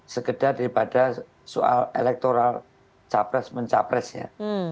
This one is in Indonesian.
sekedar daripada soal elektoral capres mencapres ya